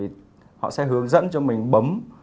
bởi vì họ sẽ hướng dẫn cho mình bấm